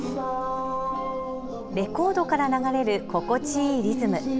レコードから流れる心地いいリズム。